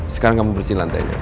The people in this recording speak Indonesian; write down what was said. sekarang kamu bersihin lantainya